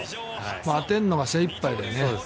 当てるのが精いっぱいだよね。